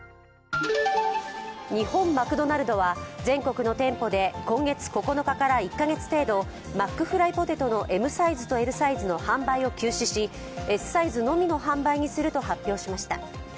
日本マクドナルドは全国の店舗で今月９日から１カ月程度、マックフライポテトのＭサイズとＬサイズの販売を休止し、Ｓサイズのみの販売にすると発表しました。